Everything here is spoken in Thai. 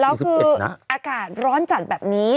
แล้วคืออากาศร้อนจัดแบบนี้